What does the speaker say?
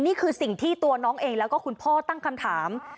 นี่คือสิ่งที่ตัวน้องเองแล้วก็คุณพ่อตั้งคำถาม